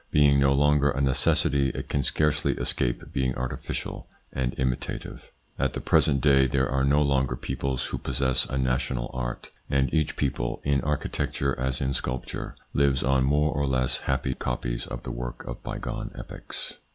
Being no longer a necessity, it can scarcely escape being artificial and imitative. At the present day there are no longer peoples who possess a national art, and each people, in architecture as in sculpture, lives on more or less happy copies of the work of bygone epochs.